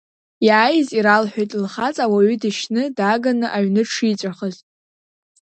Иааиз иралҳәеит лхаҵа ауаҩы дышьны, дааганы аҩны дшиҵәахыз.